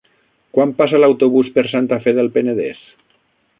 Quan passa l'autobús per Santa Fe del Penedès?